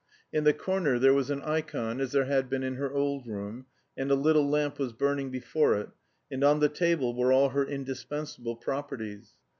In the corner there was an ikon as there had been in her old room, and a little lamp was burning before it, and on the table were all her indispensable properties.